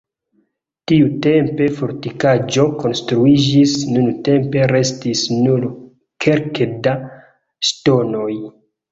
Tiutempe fortikaĵo konstruiĝis, nuntempe restis nur kelke da ŝtonoj.